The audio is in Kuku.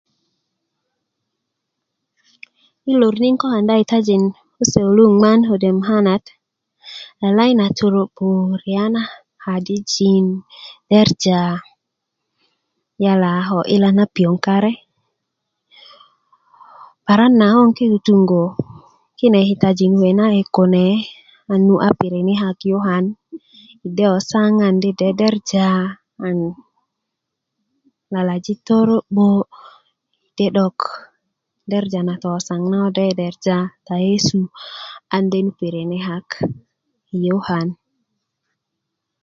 yi lor ni nan kokona kitajin ko se kulu 'nŋman kode' mukanat lalayi na toro'bo riya na kadijin derja yala a ko 'yila na piöŋ kare paran na ko ke tituŋgö kine kitajin kuwe' na 'di'dik kune an nu a pirikini' kak yukan de kotyaŋ an dederja na lalaji' toro'bo' de 'dok derja na tokotuaŋ na ko do ke derja a yesu an de pirikini kak yi yukan